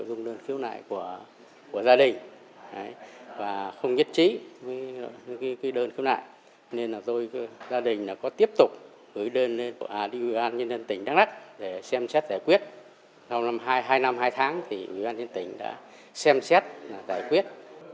dùng đơn khiếu nại của gia đình và không nhất trí ghi đơn khiếu nại nên gia đình có tiếp tục gửi đơn lên ủy ban nhân dân tỉnh đắk lắc để xem xét giải quyết sau hai năm hai tháng thì ủy ban nhân dân tỉnh đã xem xét giải quyết